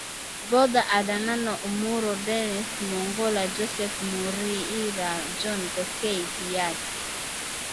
Bodha Adano Umuro Dennis Mwongela Joseph Muriira John Koskei Siyat